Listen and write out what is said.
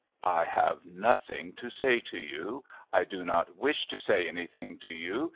"I have nothing to say to you. I do not wish to say anything to you.